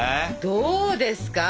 どうですか？